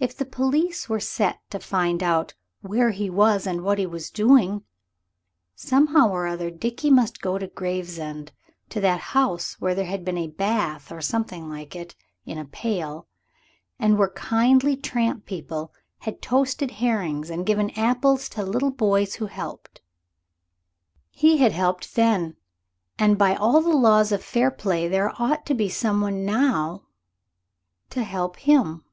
If the police were set to find out "where he was and what he was doing?"... Somehow or other Dickie must get to Gravesend, to that house where there had been a bath, or something like it, in a pail, and where kindly tramp people had toasted herrings and given apples to little boys who helped. He had helped then. And by all the laws of fair play there ought to be some one now to help him.